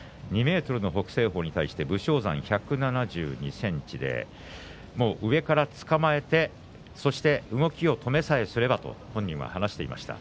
２ｍの北青鵬に対して武将山１７２ｃｍで上からつかまえて、そして動きを止めさえすればと本人が話していました。